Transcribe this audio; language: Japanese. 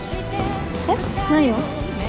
えっ？何を？